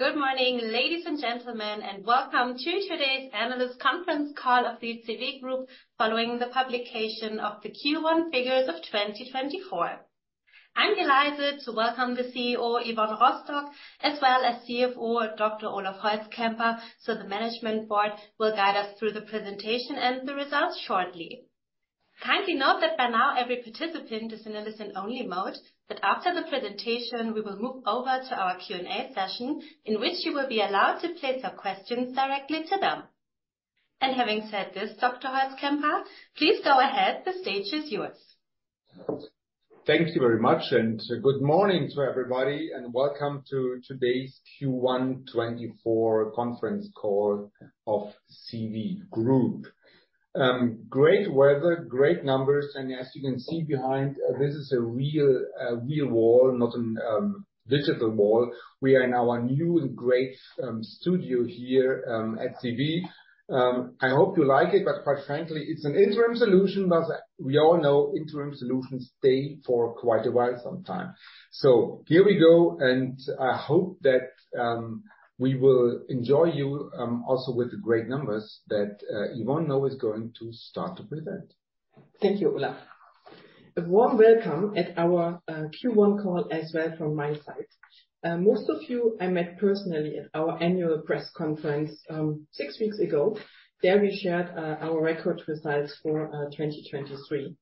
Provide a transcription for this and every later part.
Good morning, ladies and gentlemen, and welcome to today's analyst conference call of the CEWE Group following the publication of the Q1 figures of 2024. I'm delighted to welcome the CEO Yvonne Rostock as well as CFO Dr. Olaf Holzkämper, so the management board will guide us through the presentation and the results shortly. Kindly note that by now every participant is in listen-only mode, but after the presentation we will move over to our Q&A session in which you will be allowed to place your questions directly to them. Having said this, Dr. Holzkämper, please go ahead, the stage is yours. Thank you very much and good morning to everybody and welcome to today's Q1 2024 conference call of CEWE Group. Great weather, great numbers, and as you can see behind, this is a real wall, not a digital wall. We are in our new and great studio here at CEWE. I hope you like it, but quite frankly, it's an interim solution, but we all know interim solutions stay for quite a while sometimes. So here we go, and I hope that we will enjoy you also with the great numbers that Yvonne now is going to start to present. Thank you, Olaf. A warm welcome at our Q1 call as well from my side. Most of you I met personally at our annual press conference six weeks ago. There we shared our record results for 2023.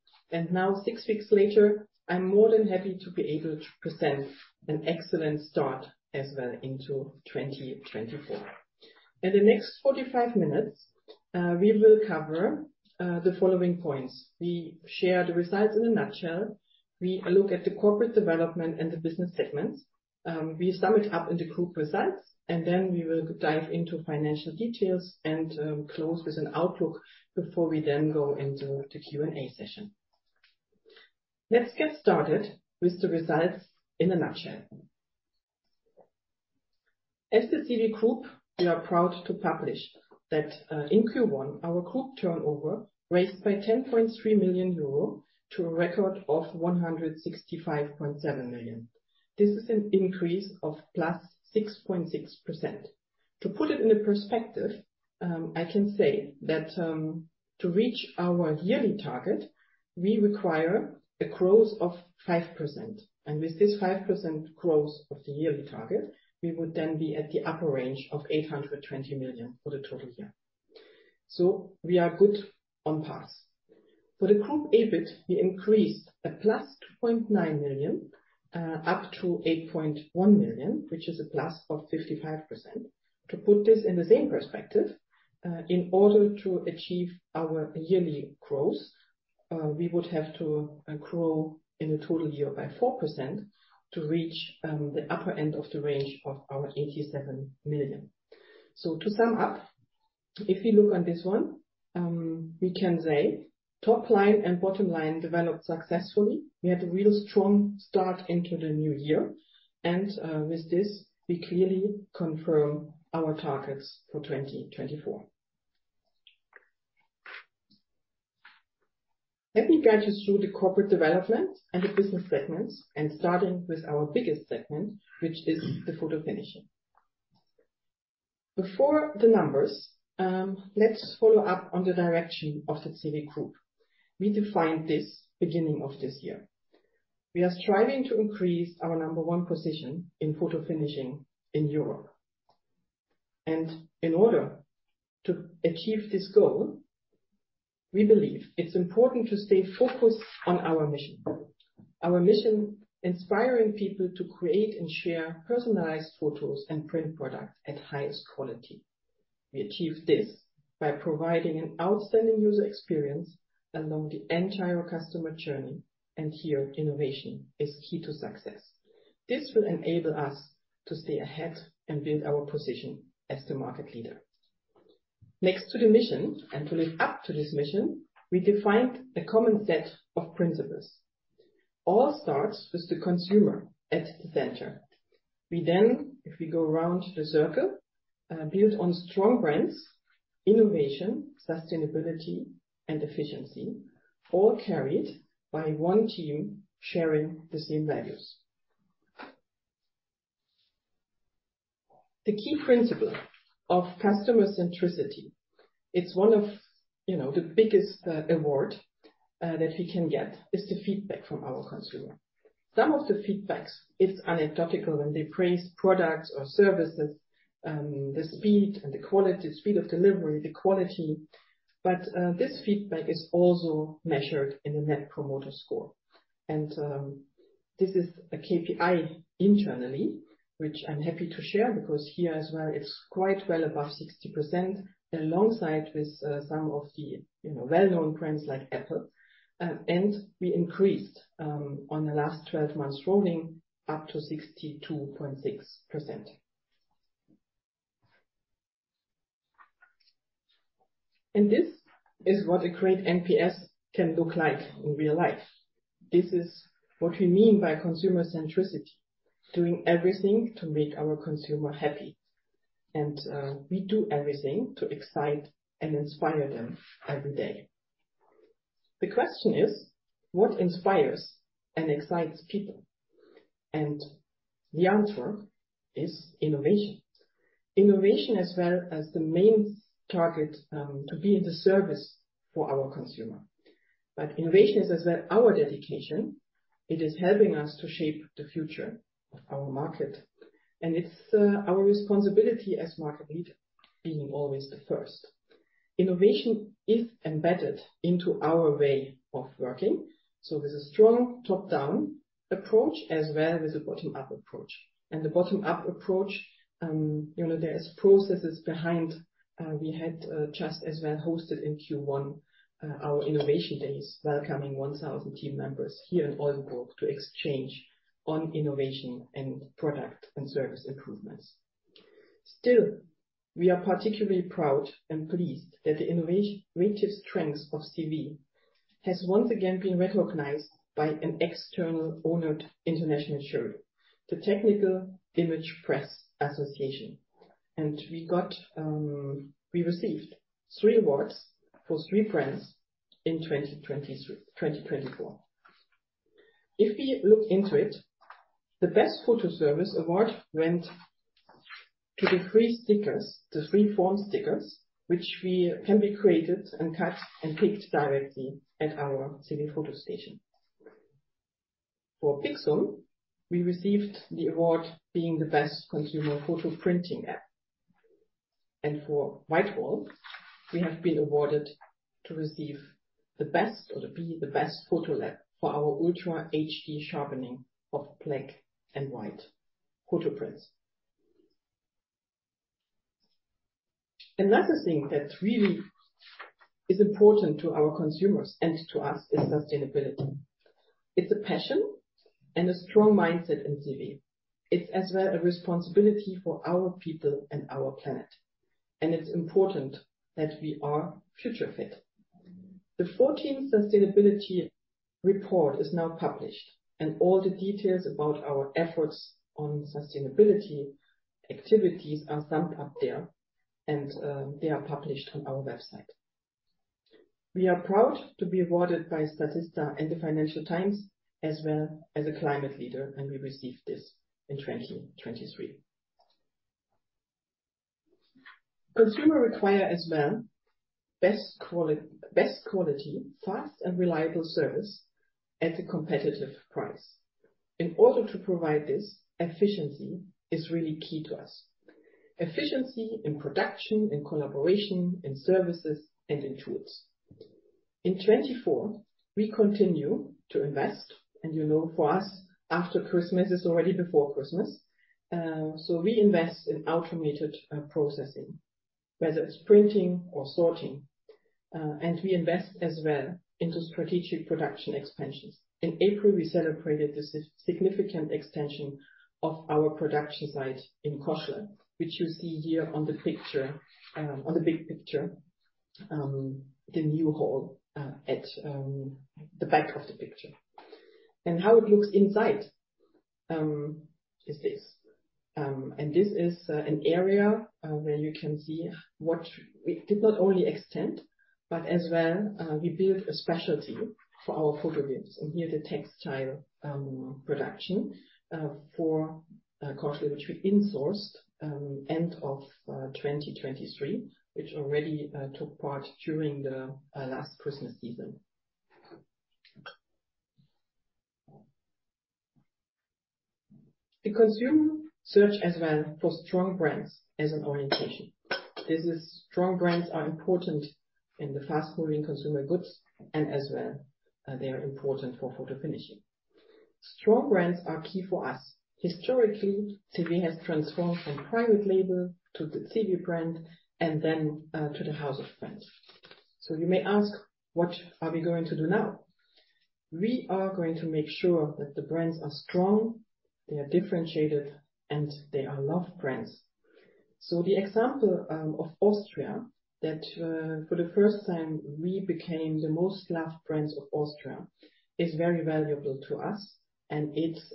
Now six weeks later, I'm more than happy to be able to present an excellent start as well into 2024. In the next 45 minutes, we will cover the following points. We share the results in a nutshell. We look at the corporate development and the business segments. We sum it up in the group results, and then we will dive into financial details and close with an outlook before we then go into the Q&A session. Let's get started with the results in a nutshell. As the CEWE Group, we are proud to publish that in Q1, our group turnover raised by 10.3 million euro to a record of 165.7 million. This is an increase of +6.6%. To put it in perspective, I can say that to reach our yearly target, we require a growth of 5%. With this 5% growth of the yearly target, we would then be at the upper range of 820 million for the total year. We are good on path. For the group EBIT, we increased a +2.9 million up to 8.1 million, which is a +55%. To put this in the same perspective, in order to achieve our yearly growth, we would have to grow in the total year by 4% to reach the upper end of the range of our 87 million. To sum up, if we look on this one, we can say top line and bottom line developed successfully. We had a real strong start into the new year. With this, we clearly confirm our targets for 2024. Let me guide you through the corporate development and the business segments, and starting with our biggest segment, which is the photo finishing. Before the numbers, let's follow up on the direction of the CEWE Group. We defined this beginning of this year. We are striving to increase our number one position in photo finishing in Europe. In order to achieve this goal, we believe it's important to stay focused on our mission. Our mission, inspiring people to create and share personalized photos and print products at highest quality. We achieve this by providing an outstanding user experience along the entire customer journey, and here innovation is key to success. This will enable us to stay ahead and build our position as the market leader. Next to the mission and to live up to this mission, we defined a common set of principles. All starts with the consumer at the center. We then, if we go around the circle, build on strong brands, innovation, sustainability, and efficiency, all carried by one team sharing the same values. The key principle of customer centricity, it's one of the biggest awards that we can get, is the feedback from our consumer. Some of the feedbacks, it's anecdotal when they praise products or services, the speed and the quality, speed of delivery, the quality. This feedback is also measured in the Net Promoter Score. This is a KPI internally, which I'm happy to share because here as well, it's quite well above 60% alongside with some of the well-known brands like Apple. We increased on the last 12 months rolling up to 62.6%. This is what a great NPS can look like in real life. This is what we mean by consumer centricity, doing everything to make our consumer happy. We do everything to excite and inspire them every day. The question is, what inspires and excites people? The answer is innovation. Innovation as well as the main target to be in the service for our consumer. But innovation is as well our dedication. It is helping us to shape the future of our market. It's our responsibility as market leaders being always the first. Innovation is embedded into our way of working. There's a strong top-down approach as well as a bottom-up approach. The bottom-up approach, there are processes behind. We had just as well hosted in Q1 our innovation days, welcoming 1,000 team members here in Oldenburg to exchange on innovation and product and service improvements. Still, we are particularly proud and pleased that the innovative strengths of CEWE have once again been recognized by an external honored international share, the Technical Image Press Association. And we received three awards for three brands in 2024. If we look into it, the Best Photo Service Award went to the three stickers, the Free-Form Stickerss, which can be created and cut and picked directly at our CEWE photo station. For Pixum, we received the award being the best consumer photo printing app. And for WhiteWall, we have been awarded to receive the best or to be the best photo lab for our ultra HD sharpening of black and white photo prints. And that's the thing that really is important to our consumers and to us is sustainability. It's a passion and a strong mindset in CEWE. It's as well a responsibility for our people and our planet. And it's important that we are future-fit. The 14th Sustainability Report is now published, and all the details about our efforts on sustainability activities are summed up there, and they are published on our website. We are proud to be awarded by Statista and the Financial Times as well as a climate leader, and we received this in 2023. Consumers require as well best quality, fast and reliable service at a competitive price. In order to provide this, efficiency is really key to us. Efficiency in production, in collaboration, in services, and in tools. In 2024, we continue to invest. And you know, for us, after Christmas is already before Christmas. So we invest in automated processing, whether it's printing or sorting. We invest as well into strategic production expansions. In April, we celebrated the significant extension of our production site in Koźle, which you see here on the picture, on the big picture, the new hall at the back of the picture. How it looks inside is this. This is an area where you can see what we did not only extend, but as well we built a specialty for our photo gifts. Here's the textile production for Koźle, which we insourced end of 2023, which already took part during the last Christmas season. The consumer search as well for strong brands as an orientation. Strong brands are important in the fast-moving consumer goods, and as well they are important for photo finishing. Strong brands are key for us. Historically, CEWE has transformed from private label to the CEWE brand and then to the House of Brands. So you may ask, what are we going to do now? We are going to make sure that the brands are strong, they are differentiated, and they are loved brands. So the example of Austria that for the first time we became the most loved brands of Austria is very valuable to us, and it's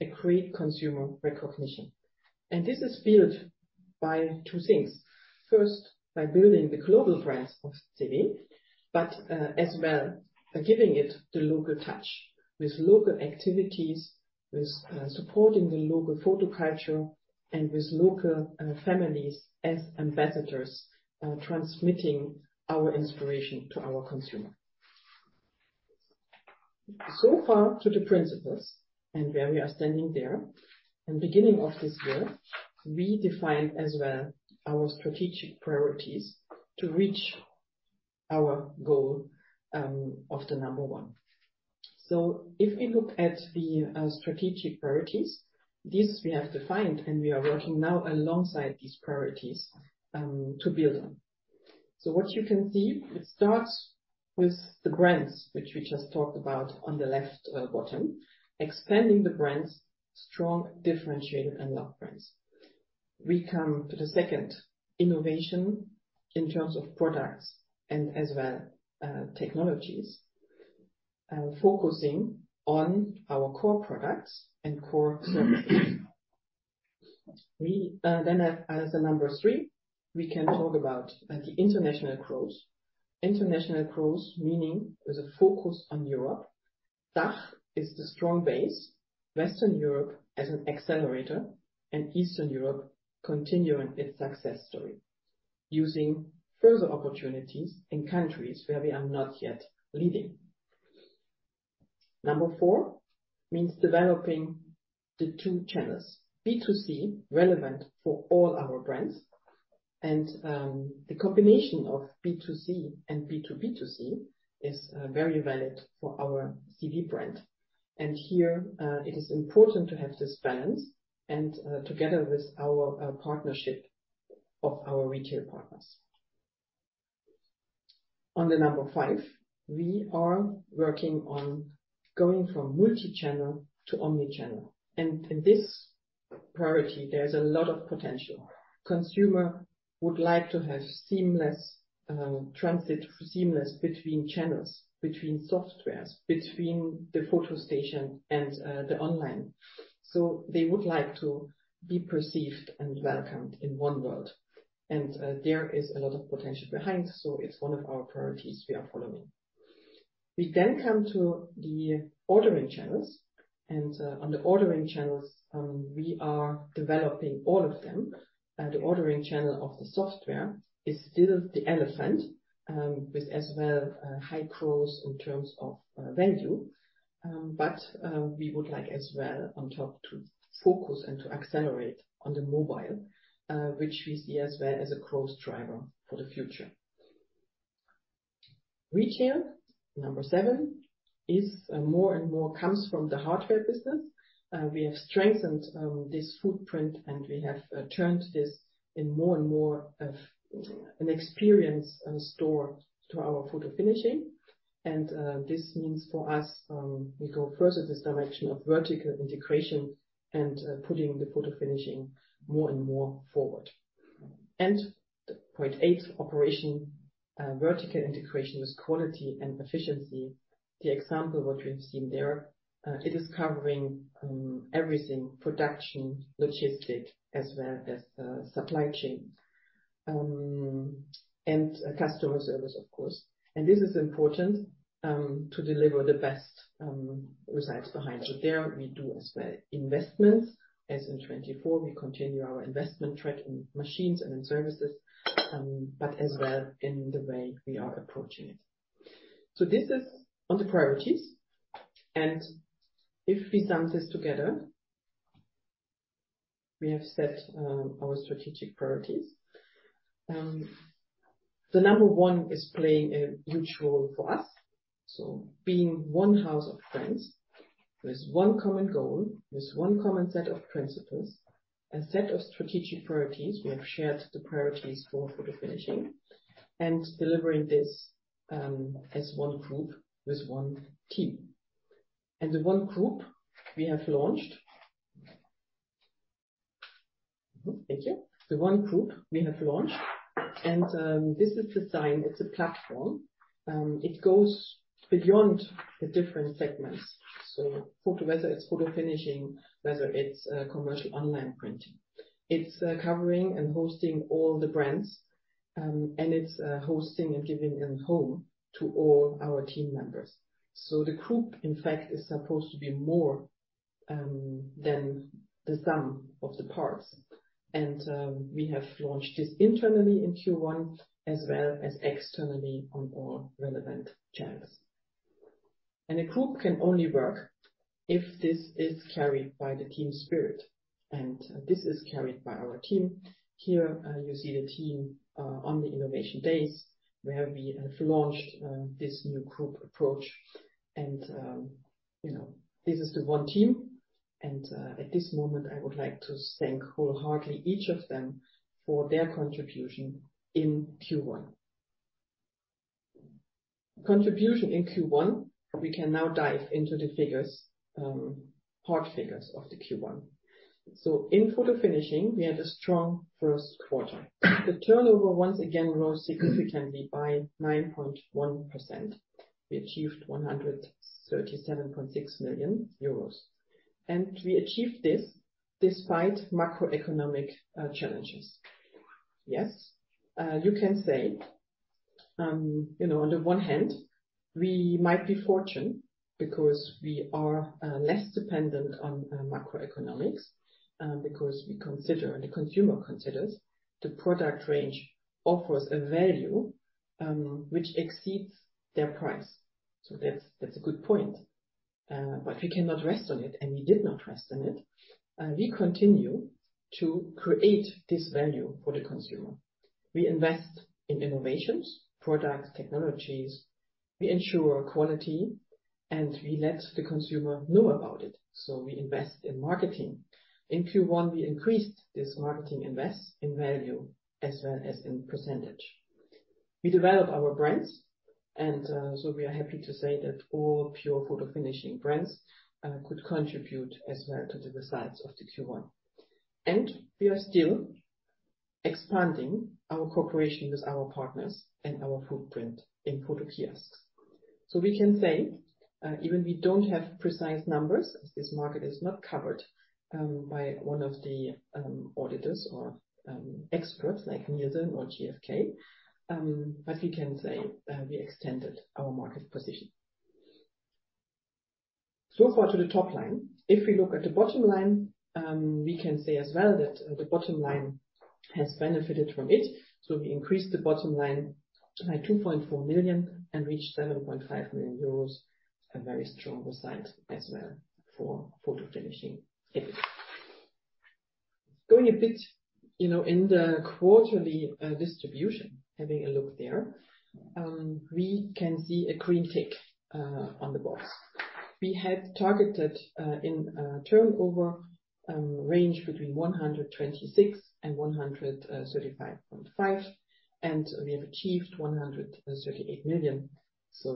a great consumer recognition. And this is built by two things. First, by building the global brands of CEWE, but as well giving it the local touch with local activities, with supporting the local photo culture, and with local families as ambassadors transmitting our inspiration to our consumer. So far to the principles and where we are standing there, in the beginning of this year, we defined as well our strategic priorities to reach our goal of the number one. So if we look at the strategic priorities, these we have defined, and we are working now alongside these priorities to build on. So what you can see, it starts with the brands, which we just talked about on the left bottom, expanding the brands, strong, differentiated, and loved brands. We come to the second, innovation in terms of products and as well technologies, focusing on our core products and core services. Then as the number three, we can talk about the international growth. International growth meaning with a focus on Europe. DACH is the strong base, Western Europe as an accelerator, and Eastern Europe continuing its success story using further opportunities in countries where we are not yet leading. Number 4 means developing the two channels, B2C relevant for all our brands. The combination of B2C and B2B2C is very valid for our CEWE brand. Here it is important to have this balance and together with our partnership of our retail partners. On number 5, we are working on going from multi-channel to omnichannel. In this priority, there's a lot of potential. Consumers would like to have seamless transit, seamless between channels, between software, between the photo station and the online. So they would like to be perceived and welcomed in one world. There is a lot of potential behind, so it's one of our priorities we are following. We then come to the ordering channels. On the ordering channels, we are developing all of them. The ordering channel of the software is still the elephant with as well high growth in terms of value. But we would like as well on top to focus and to accelerate on the mobile, which we see as well as a growth driver for the future. Retail, 7, is more and more comes from the hardware business. We have strengthened this footprint, and we have turned this in more and more of an experience store to our photo finishing. And this means for us, we go further this direction of vertical integration and putting the photo finishing more and more forward. And point 8, operation, vertical integration with quality and efficiency. The example what we've seen there, it is covering everything, production, logistic, as well as supply chain, and customer service, of course. This is important to deliver the best results behind. There we do as well investments as in 2024, we continue our investment track in machines and in services, but as well in the way we are approaching it. This is on the priorities. If we sum this together, we have set our strategic priorities. The number one is playing a huge role for us. Being one House of Brands with one common goal, with one common set of principles, a set of strategic priorities, we have shared the priorities for photo finishing and delivering this as one group with one team. And the one group we have launched, thank you. The one group we have launched, and this is the sign, it's a platform. It goes beyond the different segments. So whether it's photo finishing, whether it's commercial online printing, it's covering and hosting all the brands, and it's hosting and giving a home to all our team members. The group, in fact, is supposed to be more than the sum of the parts. We have launched this internally in Q1 as well as externally on all relevant channels. A group can only work if this is carried by the team spirit. This is carried by our team. Here you see the team on the innovation days where we have launched this new group approach. This is the one team. At this moment, I would like to thank wholeheartedly each of them for their contribution in Q1. Contribution in Q1, we can now dive into the figures, hard figures of the Q1. In photo finishing, we had a strong first quarter. The turnover once again rose significantly by 9.1%. We achieved 137.6 million euros. We achieved this despite macroeconomic challenges. Yes, you can say, on the one hand, we might be fortunate because we are less dependent on macroeconomics, because we consider and the consumer considers the product range offers a value which exceeds their price. That's a good point. But we cannot rest on it, and we did not rest on it. We continue to create this value for the consumer. We invest in innovations, products, technologies. We ensure quality, and we let the consumer know about it. We invest in marketing. In Q1, we increased this marketing invest in value as well as in percentage. We develop our brands. We are happy to say that all pure photo finishing brands could contribute as well to the results of the Q1. We are still expanding our cooperation with our partners and our footprint in photo kiosks. We can say even we don't have precise numbers as this market is not covered by one of the auditors or experts like Nielsen or GfK. We can say we extended our market position. So far to the top line. If we look at the bottom line, we can say as well that the bottom line has benefited from it. We increased the bottom line by 2.4 million and reached 7.5 million euros, a very strong result as well for photo finishing. Going a bit in the quarterly distribution, having a look there, we can see a green tick on the box. We had targeted in turnover range between 126 million-135.5 million, and we have achieved 138 million.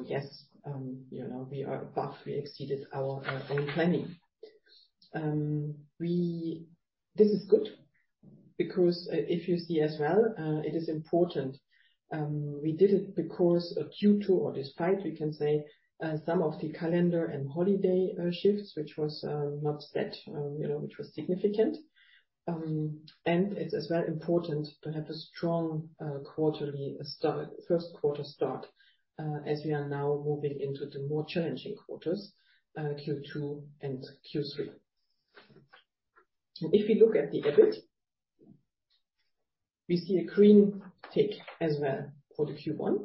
Yes, we are above, we exceeded our own planning. This is good because if you see as well, it is important. We did it because due to or despite, we can say, some of the calendar and holiday shifts, which was not set, which was significant. It's as well important to have a strong quarterly first quarter start as we are now moving into the more challenging quarters, Q2 and Q3. If we look at the EBIT, we see a green tick as well for the Q1.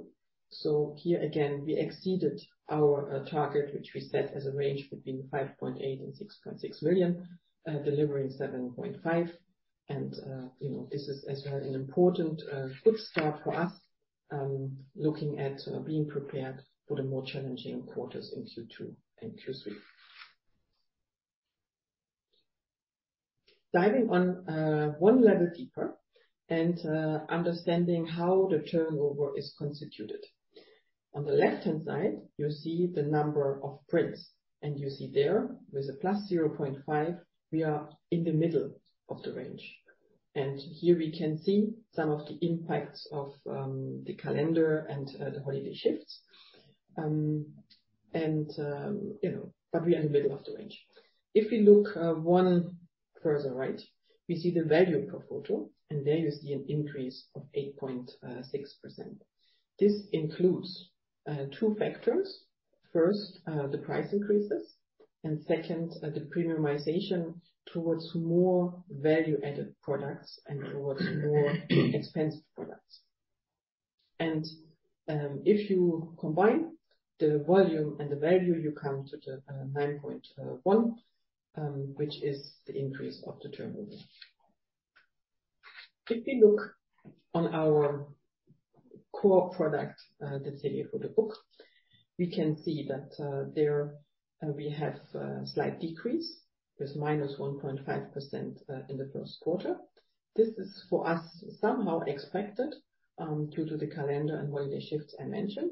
Here again, we exceeded our target, which we set as a range between 5.8 million and 6.6 million, delivering 7.5 million. And this is as well an important good start for us looking at being prepared for the more challenging quarters in Q2 and Q3. Diving on one level deeper and understanding how the turnover is constituted. On the left-hand side, you see the number of prints. You see there with a +0.5, we are in the middle of the range. Here we can see some of the impacts of the calendar and the holiday shifts. But we are in the middle of the range. If we look one further right, we see the value per photo, and there you see an increase of 8.6%. This includes two factors. First, the price increases. Second, the premiumization towards more value-added products and towards more expensive products. If you combine the volume and the value, you come to the 9.1%, which is the increase of the turnover. If we look on our core product, the CEWE photo book, we can see that there we have a slight decrease with -1.5% in the first quarter. This is for us somehow expected due to the calendar and holiday shifts I mentioned.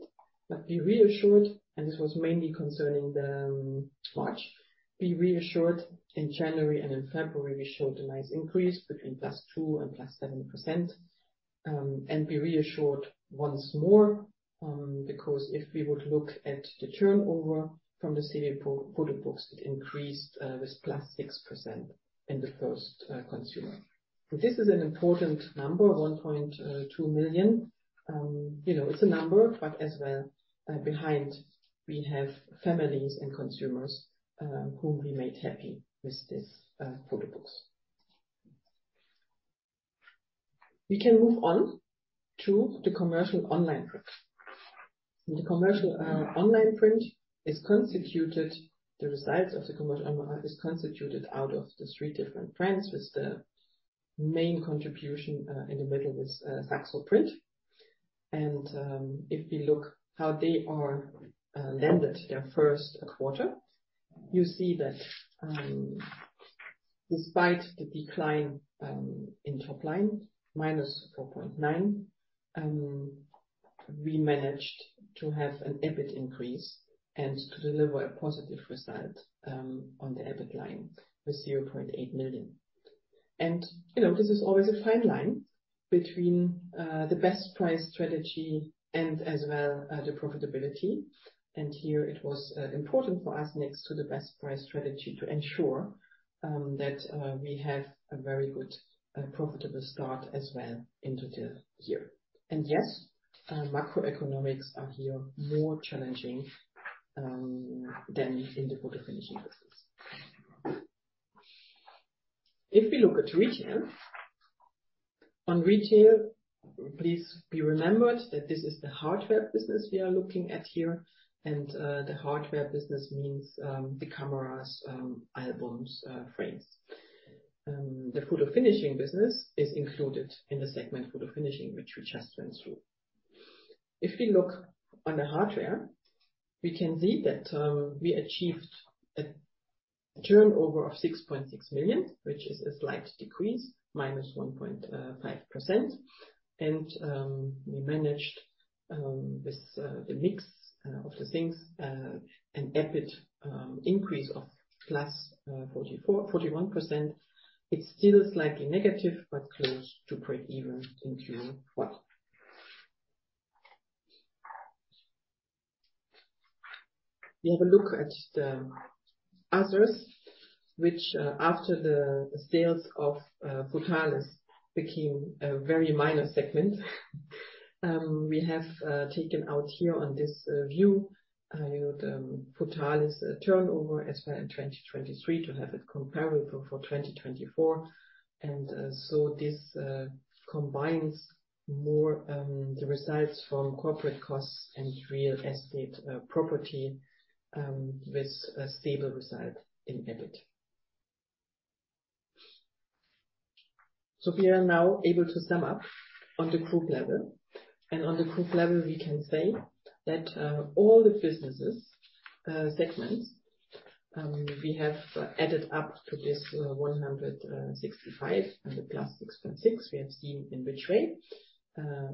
But we reassured, and this was mainly concerning March, we reassured in January and in February, we showed a nice increase between +2% and +7%. We reassured once more because if we would look at the turnover from the CEWE photo books, it increased with +6% in the first consumer. This is an important number, 1.2 million. It's a number, but as well behind, we have families and consumers whom we made happy with these photo books. We can move on to the commercial online print. The commercial online print is constituted the results of the commercial online print is constituted out of the three different brands with the main contribution in the middle with SAXOPRINT. If we look at how we have landed our first quarter, you see that despite the decline in top line -4.9%, we managed to have an EBIT increase and to deliver a positive result on the EBIT line with 0.8 million. This is always a fine line between the best price strategy and as well the profitability. Here it was important for us next to the best price strategy to ensure that we have a very good profitable start as well into the year. Yes, macroeconomics are here more challenging than in the photo finishing business. If we look at retail, on retail, please be remembered that this is the hardware business we are looking at here. The hardware business means the cameras, albums, frames. The photo finishing business is included in the segment photo finishing, which we just went through. If we look on the hardware, we can see that we achieved a turnover of 6.6 million, which is a slight decrease, minus 1.5%. We managed with the mix of the things, an EBIT increase of plus 41%. It's still slightly negative, but close to break even in Q1. We have a look at the others, which after the sales of futalis became a very minor segment. We have taken out here on this view futalis turnover as well in 2023 to have it comparable for 2024. This combines more the results from corporate costs and real estate property with a stable result in EBIT. We are now able to sum up on the group level. On the group level, we can say that all the business segments, we have added up to this 165 and the +6.6% we have seen in which way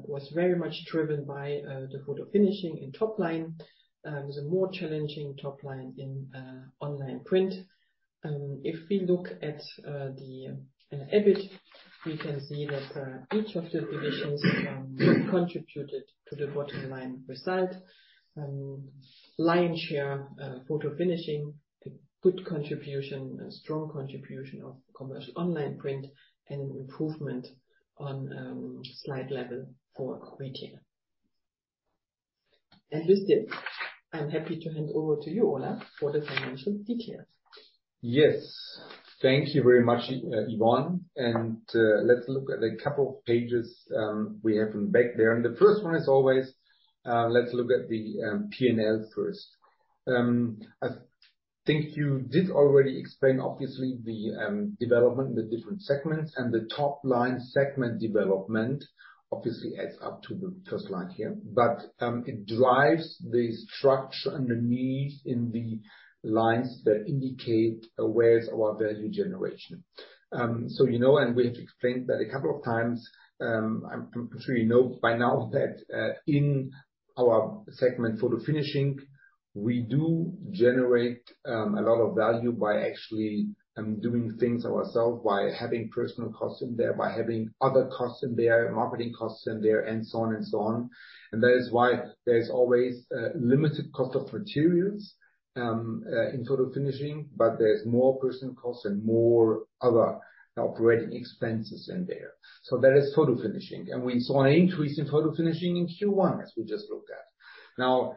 was very much driven by the photo finishing in top line, the more challenging top line in online print. If we look at the EBIT, we can see that each of the divisions contributed to the bottom line result, lion's share photo finishing, a good contribution, a strong contribution of commercial online print, and an improvement on slide level for retail. With this, I'm happy to hand over to you, Olaf, for the financial details. Yes. Thank you very much, Yvonne. And let's look at a couple of pages we have back there. And the first one is always, let's look at the P&L first. I think you did already explain, obviously, the development in the different segments. And the top line segment development obviously adds up to the first line here. But it drives the structure underneath in the lines that indicate where is our value generation. So you know and we have explained that a couple of times. I'm sure you know by now that in our segment photo finishing, we do generate a lot of value by actually doing things ourselves, by having personal costs in there, by having other costs in there, marketing costs in there, and so on and so on. And that is why there's always limited cost of materials in photo finishing. But there's more personnel costs and more other operating expenses in there. So that is photo finishing. And we saw an increase in photo finishing in Q1 as we just looked at. Now,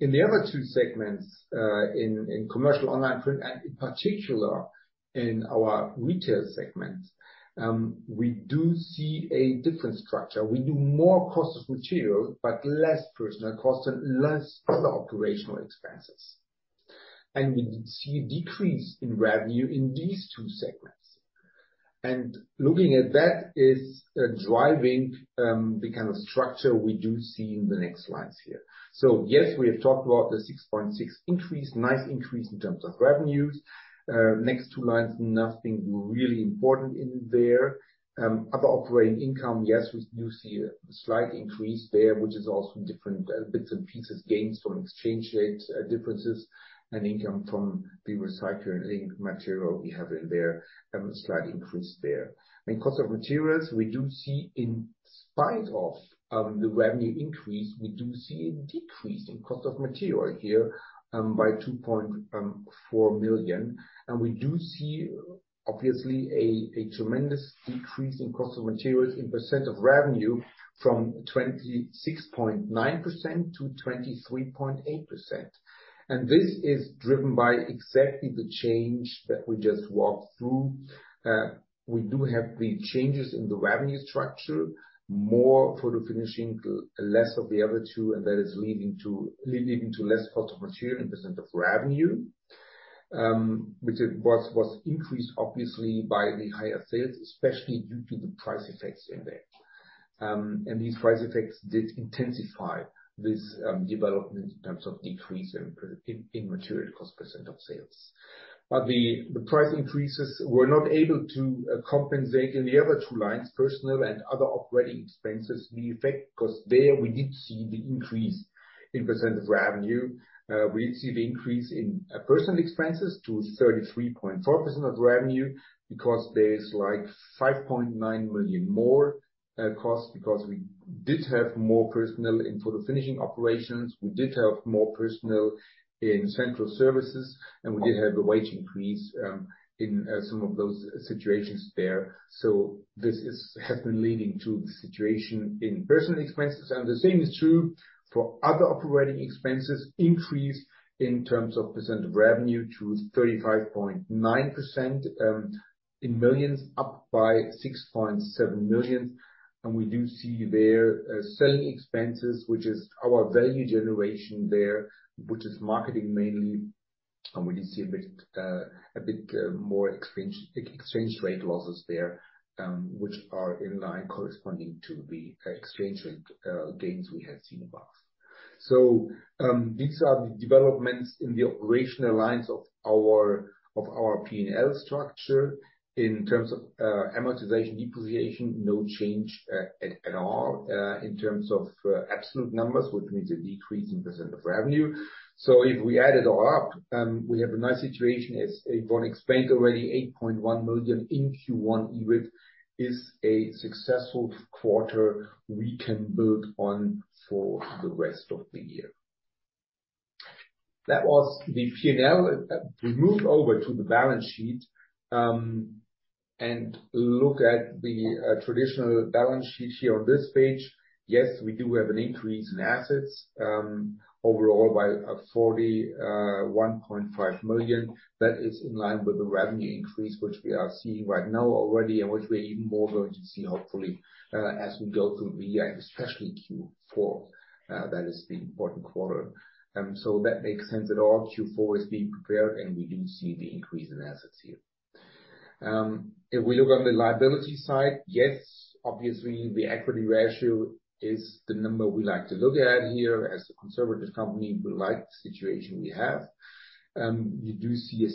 in the other two segments in commercial online print, and in particular in our retail segment, we do see a different structure. We do more cost of material, but less personnel costs and less other operating expenses. And we see a decrease in revenue in these two segments. And looking at that is driving the kind of structure we do see in the next lines here. So yes, we have talked about the 6.6 increase, nice increase in terms of revenues. Next two lines, nothing really important in there. Other operating income, yes, we do see a slight increase there, which is also different bits and pieces, gains from exchange rate differences and income from the recycling material we have in there, slight increase there. Cost of materials, we do see in spite of the revenue increase, we do see a decrease in cost of material here by 2.4 million. We do see, obviously, a tremendous decrease in cost of materials in percent of revenue from 26.9%-23.8%. This is driven by exactly the change that we just walked through. We do have the changes in the revenue structure, more photo finishing, less of the other two. That is leading to less cost of material in percent of revenue, which was increased, obviously, by the higher sales, especially due to the price effects in there. These price effects did intensify this development in terms of decrease in material cost % of sales. The price increases were not able to compensate in the other two lines, personal and other operating expenses, the effect because there we did see the increase in % of revenue. We did see the increase in personal expenses to 33.4% of revenue because there's like 5.9 million more costs because we did have more personal in photo finishing operations. We did have more personal in central services. We did have a wage increase in some of those situations there. This has been leading to the situation in personal expenses. The same is true for other operating expenses, increase in terms of % of revenue to 35.9% in millions, up by 6.7 million. We do see there selling expenses, which is our value generation there, which is marketing mainly. We do see a bit more exchange rate losses there, which are in line corresponding to the exchange rate gains we have seen above. So these are the developments in the operational lines of our P&L structure in terms of amortization, depreciation, no change at all in terms of absolute numbers, which means a decrease in % of revenue. So if we add it all up, we have a nice situation as Yvonne explained already, 8.1 million in Q1 EBIT is a successful quarter we can build on for the rest of the year. That was the P&L. We move over to the balance sheet and look at the traditional balance sheet here on this page. Yes, we do have an increase in assets overall by 41.5 million. That is in line with the revenue increase, which we are seeing right now already and which we're even more going to see, hopefully, as we go through the year, and especially Q4. That is the important quarter. So that makes sense at all. Q4 is being prepared, and we do see the increase in assets here. If we look on the liability side, yes, obviously, the equity ratio is the number we like to look at here as a conservative company. We like the situation we have. You do see a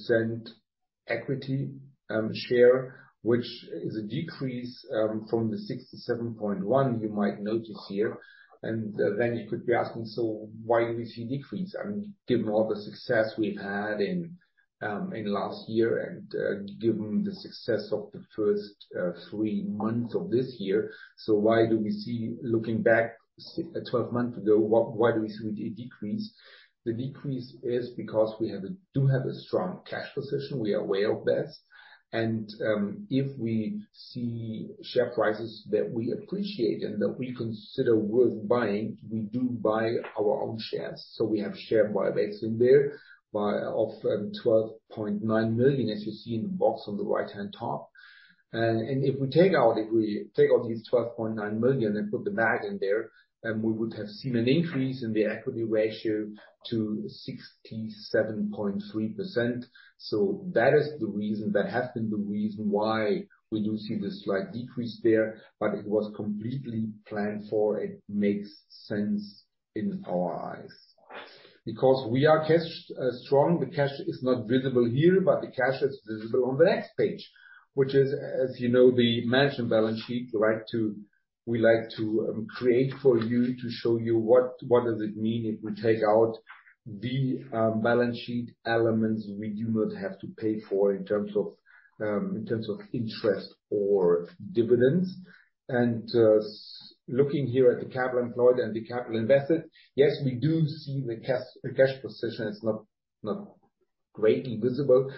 66.6% equity share, which is a decrease from the 67.1% you might notice here. Then you could be asking, "So why do we see decrease?" I mean, given all the success we've had in last year and given the success of the first three months of this year, so why do we see looking back 12 months ago, why do we see a decrease? The decrease is because we do have a strong cash position. We are aware of that. If we see share prices that we appreciate and that we consider worth buying, we do buy our own shares. We have share buybacks in there of 12.9 million, as you see in the box on the right-hand top. If we take out these 12.9 million and put the bag in there, we would have seen an increase in the equity ratio to 67.3%. So that is the reason that has been the reason why we do see this slight decrease there. But it was completely planned for. It makes sense in our eyes because we are strong. The cash is not visible here, but the cash is visible on the next page, which is, as you know, the management balance sheet, right, too, we like to create for you to show you what does it mean if we take out the balance sheet elements we do not have to pay for in terms of interest or dividends. And looking here at the capital employed and the capital invested, yes, we do see the cash position. It's not greatly visible.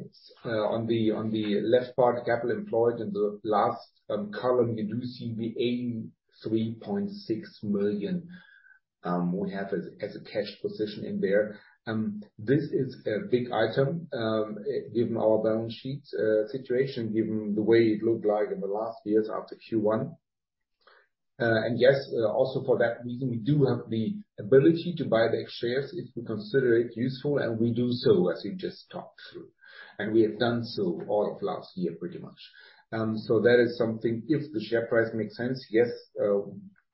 It's on the left part, capital employed. In the last column, you do see the 83.6 million we have as a cash position in there. This is a big item given our balance sheet situation, given the way it looked like in the last years after Q1. And yes, also for that reason, we do have the ability to buy the ex-shares if we consider it useful. And we do so as we just talked through. And we have done so all of last year pretty much. So that is something if the share price makes sense, yes,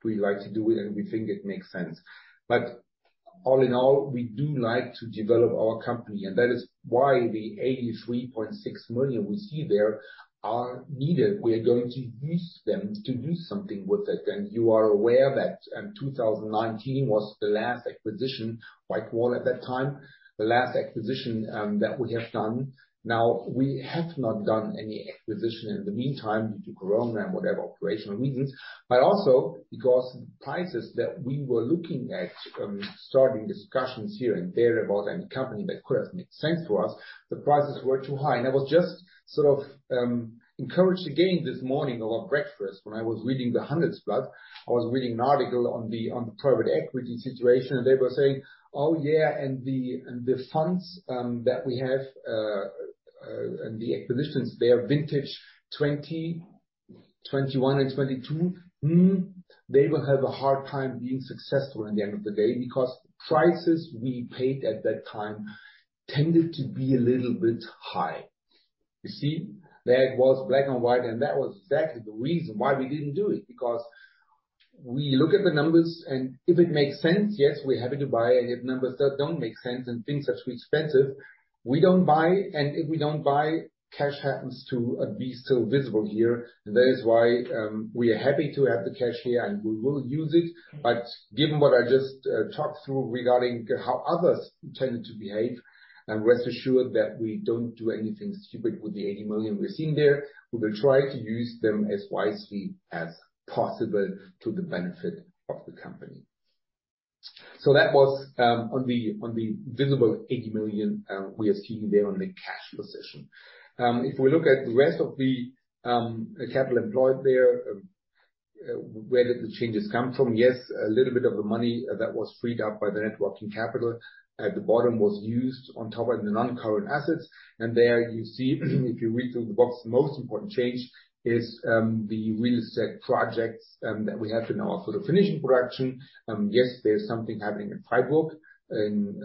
we like to do it, and we think it makes sense. But all in all, we do like to develop our company. And that is why the 83.6 million we see there are needed. We are going to use them to do something with it. And you are aware that 2019 was the last acquisition, WhiteWall at that time, the last acquisition that we have done. Now, we have not done any acquisition in the meantime due to corona and whatever operational reasons, but also because prices that we were looking at, starting discussions here and there about any company that could have made sense for us, the prices were too high. And I was just sort of encouraged again this morning over breakfast when I was reading the Handelsblatt. I was reading an article on the private equity situation. And they were saying, "Oh, yeah. And the funds that we have and the acquisitions there, vintage 2020, 2021, and 2022, they will have a hard time being successful at the end of the day because prices we paid at that time tended to be a little bit high." You see? That was black and white. And that was exactly the reason why we didn't do it because we look at the numbers. And if it makes sense, yes, we're happy to buy. And if numbers don't make sense and things are too expensive, we don't buy. And if we don't buy, cash happens to be still visible here. And that is why we are happy to have the cash here, and we will use it. But given what I just talked through regarding how others tended to behave, rest assured that we don't do anything stupid with the 80 million we're seeing there. We will try to use them as wisely as possible to the benefit of the company. So that was on the visible 80 million we are seeing there on the cash position. If we look at the rest of the capital employed there, where did the changes come from? Yes, a little bit of the money that was freed up by the net working capital at the bottom was used on top of the non-current assets. And there you see, if you read through the box, the most important change is the real estate projects that we have in our photo finishing production. Yes, there's something happening in Freiburg in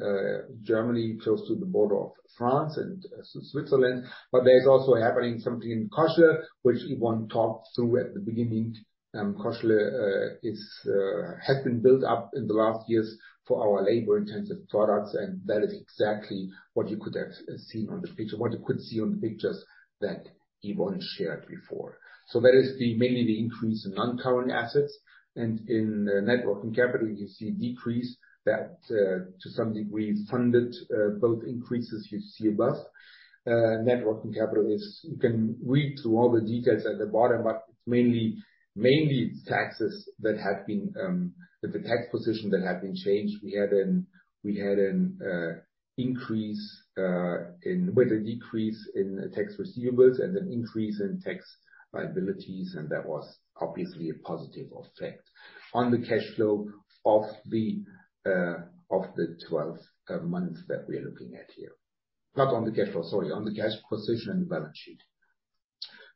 Germany, close to the border of France and Switzerland. But there's also happening something in Koźle, which Yvonne talked through at the beginning. Koźle has been built up in the last years for our labor-intensive products. And that is exactly what you could have seen on the picture, what you could see on the pictures that Yvonne shared before. So that is mainly the increase in non-current assets. And in net working capital, you see a decrease that, to some degree, funded both increases you see above. working capital, you can read through all the details at the bottom, but mainly taxes, that the tax position that had been changed, we had an increase with a decrease in tax receivables and an increase in tax liabilities. That was obviously a positive effect on the cash flow of the 12 months that we are looking at here, not on the cash flow, sorry, on the cash position and the balance sheet.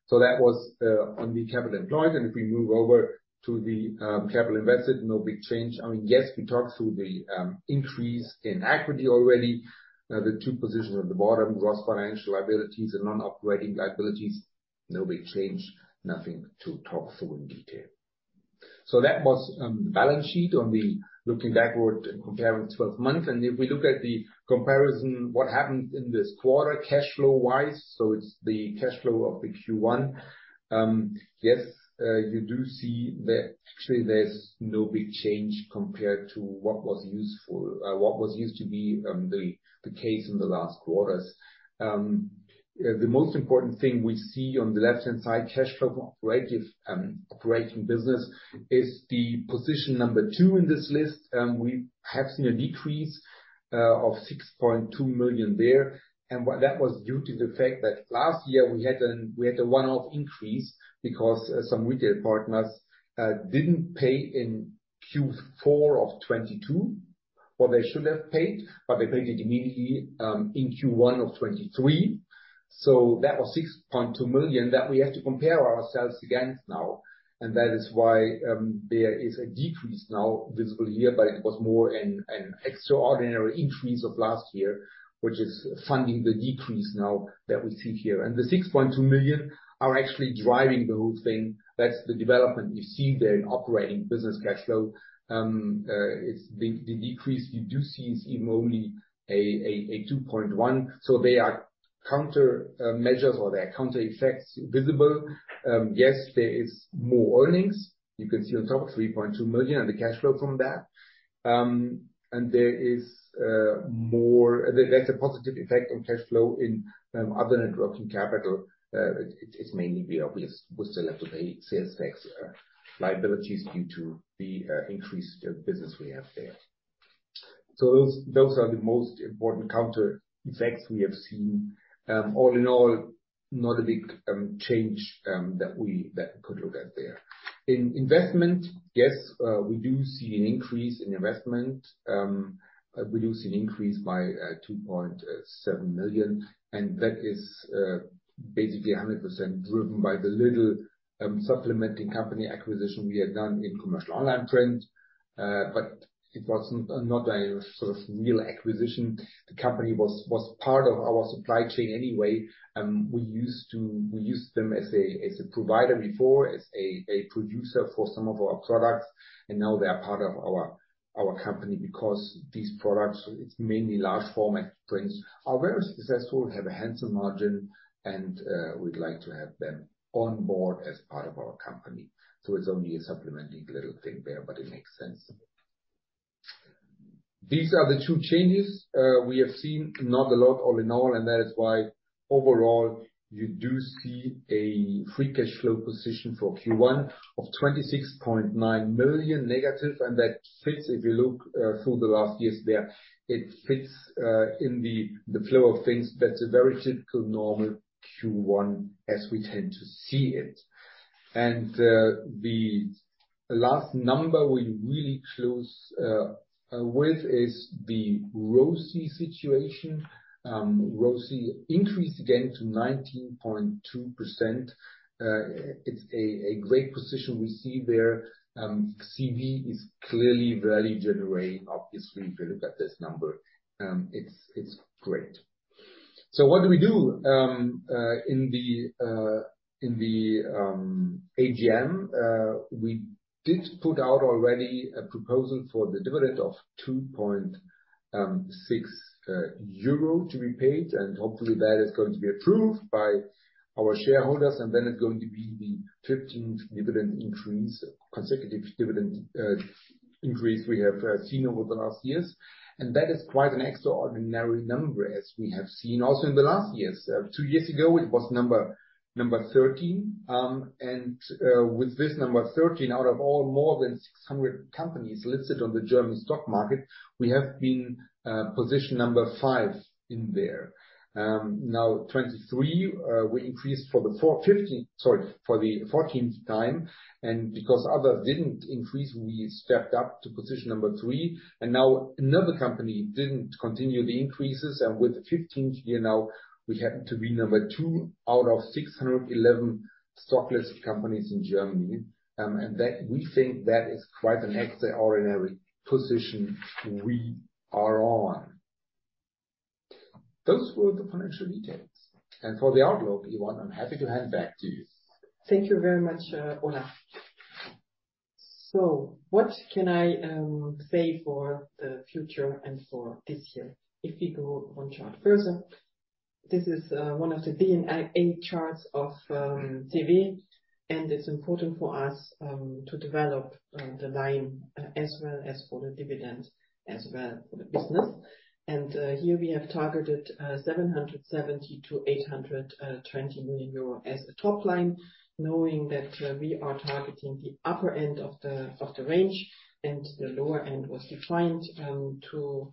So that was on the capital employed. If we move over to the capital invested, no big change. I mean, yes, we talked through the increase in equity already, the two positions at the bottom, gross financial liabilities and non-operating liabilities, no big change, nothing to talk through in detail. So that was the balance sheet looking backward and comparing 12 months. If we look at the comparison, what happens in this quarter cash flow-wise, so it's the cash flow of the Q1, yes, you do see that actually there's no big change compared to what was usual, what used to be the case in the last quarters. The most important thing we see on the left-hand side, cash flow for operating business, is the position number two in this list. We have seen a decrease of 6.2 million there. That was due to the fact that last year, we had a one-off increase because some retail partners didn't pay in Q4 of 2022 what they should have paid, but they paid it immediately in Q1 of 2023. That was 6.2 million that we have to compare ourselves against now. That is why there is a decrease now visible here. But it was more an extraordinary increase of last year, which is funding the decrease now that we see here. The 6.2 million are actually driving the whole thing. That's the development you see there in operating business cash flow. The decrease you do see is even only a 2.1. So they are countermeasures or they are countereffects visible. Yes, there is more earnings. You can see on top of 3.2 million and the cash flow from that. And there is more that's a positive effect on cash flow in other net working capital. It's mainly obvious. We still have to pay sales tax liabilities due to the increased business we have there. So those are the most important countereffects we have seen. All in all, not a big change that we could look at there. In investment, yes, we do see an increase in investment. We do see an increase by 2.7 million. That is basically 100% driven by the little supplementing company acquisition we had done in commercial online print. But it was not a sort of real acquisition. The company was part of our supply chain anyway. We used them as a provider before, as a producer for some of our products. And now they're part of our company because these products, it's mainly large format prints, are very successful, have a handsome margin. And we'd like to have them on board as part of our company. So it's only a supplementing little thing there, but it makes sense. These are the two changes we have seen, not a lot all in all. That is why overall, you do see a free cash flow position for Q1 of -26.9 million. That fits, if you look through the last years there, it fits in the flow of things. That's a very typical normal Q1 as we tend to see it. The last number we really close with is the ROCE situation. ROCE increased again to 19.2%. It's a great position we see there. CV is clearly value generating, obviously, if you look at this number. It's great. So what do we do in the AGM? We did put out already a proposal for the dividend of 2.6 euro to be paid. Hopefully, that is going to be approved by our shareholders. Then it's going to be the 15th dividend increase, consecutive dividend increase we have seen over the last years. That is quite an extraordinary number as we have seen also in the last years. Two years ago, it was number 13. With this number 13, out of all more than 600 companies listed on the German stock market, we have been position number 5 in there. Now, 2023, we increased for the 15th, sorry, for the 14th time. Because others didn't increase, we stepped up to position number 3. Now, another company didn't continue the increases. With the 15th year now, we happen to be number 2 out of 611 stock-listed companies in Germany. We think that is quite an extraordinary position we are on. Those were the financial details. For the outlook, Yvonne, I'm happy to hand back to you. Thank you very much, Olaf. What can I say for the future and for this year? If we go one chart further, this is one of the D&A charts of CEWE. It's important for us to develop the line as well as for the dividend as well for the business. Here, we have targeted 770 million-820 million euro as a top line, knowing that we are targeting the upper end of the range. The lower end was defined to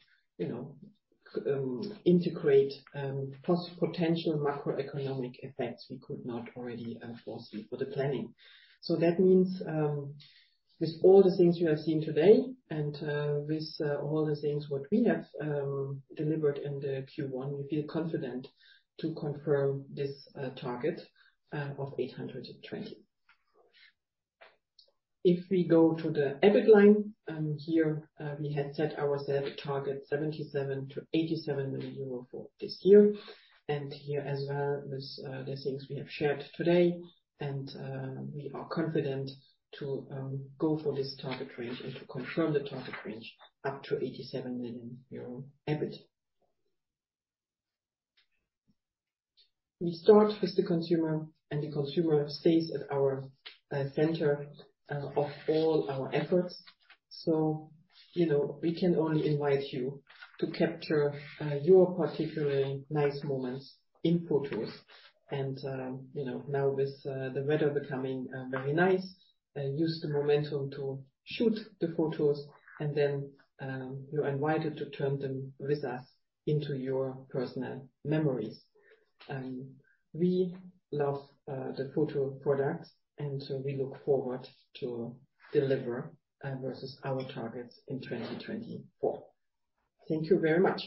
integrate potential macroeconomic effects we could not already foresee for the planning. So that means with all the things we have seen today and with all the things what we have delivered in the Q1, we feel confident to confirm this target of 820 million. If we go to the EBIT line here, we had set ourselves a target 77 million to 87 million for this year. Here as well, with the things we have shared today, and we are confident to go for this target range and to confirm the target range up to 87 million euro EBIT. We start with the consumer. The consumer stays at our center of all our efforts. We can only invite you to capture your particularly nice moments in photos. Now, with the weather becoming very nice, use the momentum to shoot the photos. Then you're invited to turn them with us into your personal memories. We love the photo products. We look forward to deliver versus our targets in 2024. Thank you very much.